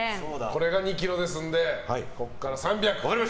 これが２ｋｇですのでここから３００。